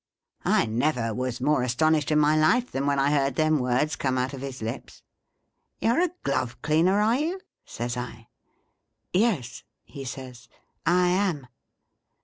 " I never was more astonished in my life, than when I heard them words corne out of his lips. ' You 're a glove cleaner, are you 1 ' says I. ' Yes,' he says, ' I am.'